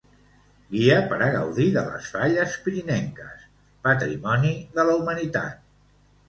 Guia per a gaudir de les falles pirinenques, Patrimoni de la Humanitat.